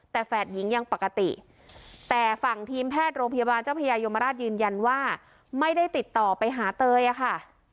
แต่แฝดหญิงยังปกติแต่ฝั่งทีมแพทย์โรงพยาบาลเจ้าพญายมราชยืนยันว่าไม่ได้ติดต่อไปหาเตยอะค่ะ